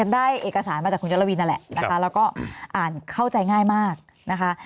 ได้เอกสารมาจากคุณยลวินนั่นแหละนะคะแล้วก็อ่านเข้าใจง่ายมากนะคะ